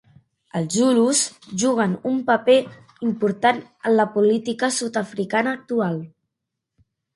Els zulus juguen un paper important en la política sud-africana actual.